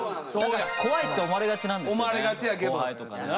怖いって思われがちなんですよね後輩とかに。